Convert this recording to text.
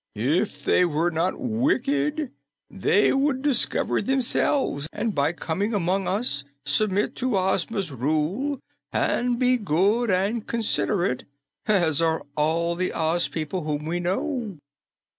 If they were not wicked, they would discover themselves and by coming among us submit to Ozma's rule and be good and considerate, as are all the Oz people whom we know."